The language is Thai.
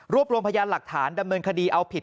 รวมรวมพยานหลักฐานดำเนินคดีเอาผิด